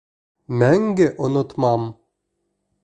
Мәңге онотмам!